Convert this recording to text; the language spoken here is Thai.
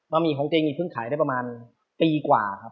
บะหมี่ของเจ๊ก็เพิ่งขายได้ประมาณปีกว่าครับ